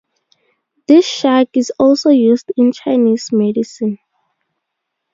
This shark is also used in Chinese medicine.